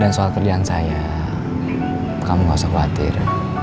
dan soal kerjaan saya kamu gak usah khawatir